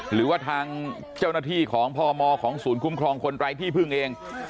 หรือว่าทางเจ้าหน้าที่ของพมของศูนย์คุ้มครองคนไร้ที่พึ่งเอง